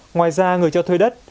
ngoài ra người cho thuê đất